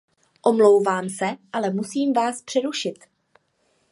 Omlouvám se, ale musím vás přerušit.